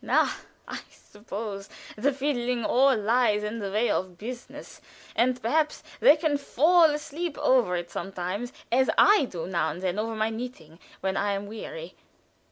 Na! I suppose the fiddling all lies in the way of business, and perhaps they can fall asleep over it sometimes, as I do now and then over my knitting, when I'm weary.